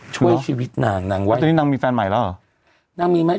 ช่วยชีวิตนางนางวัดตอนนี้นางมีแฟนใหม่แล้วเหรอนางมีไหม